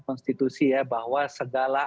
konstitusi ya bahwa segala